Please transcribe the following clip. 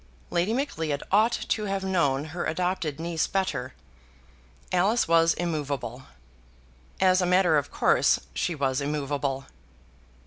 Lady Macleod ought to have known her adopted niece better. Alice was immoveable. As a matter of course she was immoveable.